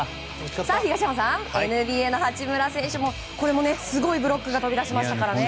東山さん、ＮＢＡの八村選手もすごいブロックが飛び出しましたね。